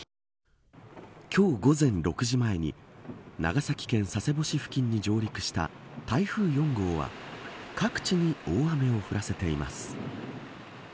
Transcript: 今日午前６時前に長崎県佐世保市付近に上陸した台風４号は各地に大雨を降らせています。